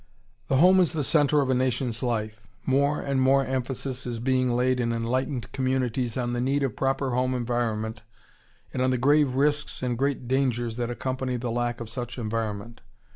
] The home is the centre of a nation's life. More and more emphasis is being laid in enlightened communities on the need of proper home environment and on the grave risks and great dangers that accompany the lack of such environment.